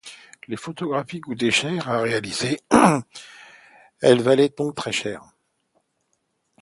Les photographies coûtaient cher à réaliser et elles valaient donc très cher.